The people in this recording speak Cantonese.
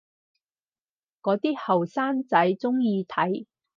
嗰啲後生仔鍾意睇